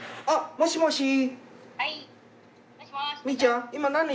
あっもしもし？